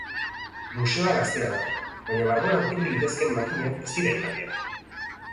Museoa gaztea da baina barruan aurkitu litezkeen makinak ez dira hain berriak.